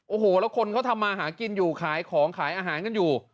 โอ้โหแล้วคนเขาทำมาหากินอยู่ขายของขายอาหารกันอยู่